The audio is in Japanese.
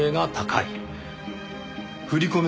振り込め